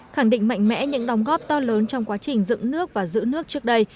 khẳng định mạnh mẽ những đóng góp to lớn trong quá trình dựng nước và giữ nước trước đây